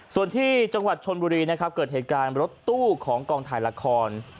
ส่วนที่จังหวัดชนบุรีนะครับเกิดเหตุการณ์รถตู้ของกองถ่ายละคร